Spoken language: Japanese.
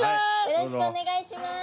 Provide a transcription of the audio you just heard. よろしくお願いします。